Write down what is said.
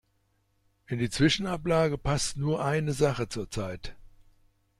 In die Zwischenablage passt nur eine Sache zur Zeit.